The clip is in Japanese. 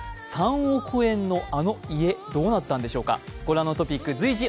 ３億円のあの家、どうなったんでしょうか。